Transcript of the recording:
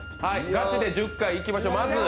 ガチで１０回いきましょう。